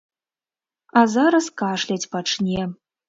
А зараз кашляць пачне.